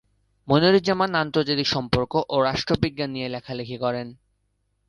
মনিরুজ্জামান আন্তর্জাতিক সম্পর্ক ও রাষ্ট্রবিজ্ঞান নিয়ে লেখালেখি করেন।